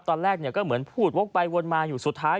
ตอนแรกเนี่ยก็เหมือนพูดวกไปวนมาอยู่สุดท้าย